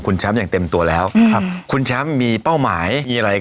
คุณแชมป์อย่างเต็มตัวแล้วครับคุณแชมป์มีเป้าหมายมีอะไร